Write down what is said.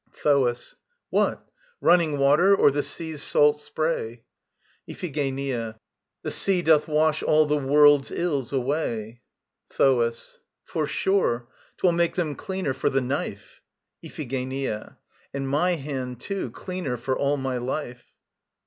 THOAS. What? Running water, or the sea's salt spray? IPHIGENIA. The sea doth wash all the world's ills away. THOAS. For sure. 'Twill make them cleaner for the knife. IPHIGENIA. And my hand, too, cleaner for all my life.